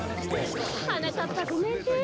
はなかっぱごめんね。